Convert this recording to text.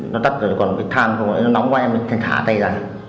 nó tắt rồi còn cái thang nó nóng quá em thì thả tay ra